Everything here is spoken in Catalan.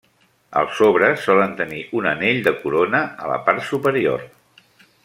Els sobres solen tenir un anell de corona a la part superior.